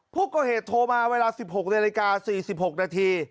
ผู้ก่อเหตุโทรมาเวลา๑๖นาฬิกา๔๖นาที